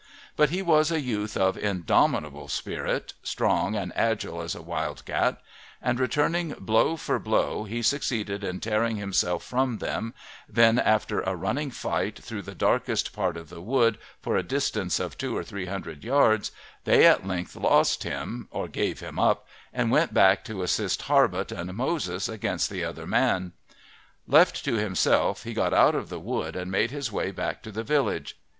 But he was a youth of indomitable spirit, strong and agile as a wild cat; and returning blow for blow he succeeded in tearing himself from them, then after a running fight through the darkest part of the wood for a distance of two or three hundred yards they at length lost him or gave him up and went back to assist Harbutt and Moses against the other man. Left to himself he got out of the wood and made his way back to the village.